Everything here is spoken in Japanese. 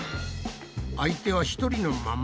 相手は１人のまま。